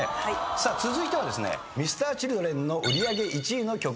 さあ続いてはですねＭｒ．Ｃｈｉｌｄｒｅｎの売り上げ１位の曲です。